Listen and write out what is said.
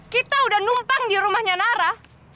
kita udah numpang di rumahnya nara